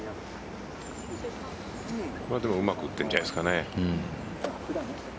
でも、うまく打ってるんじゃないですかね。